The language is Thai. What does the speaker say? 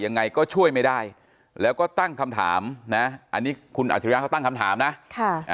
ยังไงก็ช่วยไม่ได้แล้วก็ตั้งคำถามนะอันนี้คุณอัจฉริยะเขาตั้งคำถามนะค่ะ